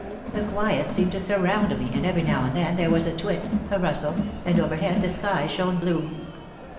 The quiet seemed to surround me and every now and then there was a twit, a rustle, and overhead the sky shone blue.